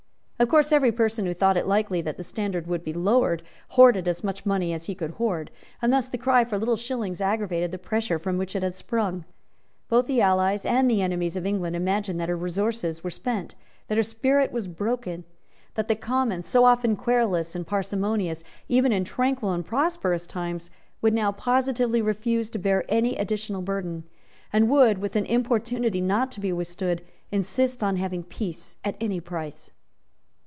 Of course every person who thought it likely that the standard would be lowered, hoarded as much money as he could hoard; and thus the cry for little shillings aggravated the pressure from which it had sprung. Both the allies and the enemies of England imagined that her resources were spent, that her spirit was broken, that the Commons, so often querulous and parsimonious even in tranquil and prosperous times, would now positively refuse to bear any additional burden, and would, with an importunity not to be withstood, insist on having peace at any price.